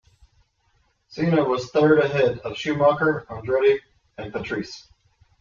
Senna was third ahead of Schumacher, Andretti and Patrese.